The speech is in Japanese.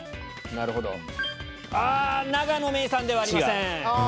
永野芽郁さんではありません。